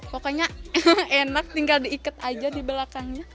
pokoknya enak tinggal diikat aja di belakangnya